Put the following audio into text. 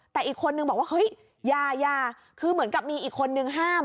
แต่อีกคนนึงบอกว่าเฮ้ยยายาคือเหมือนกับมีอีกคนนึงห้าม